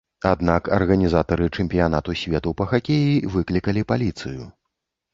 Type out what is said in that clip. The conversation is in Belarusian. Аднак арганізатары чэмпіянату свету па хакеі выклікалі паліцыю.